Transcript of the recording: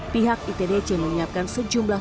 pihak itdc menyiapkan sejumlah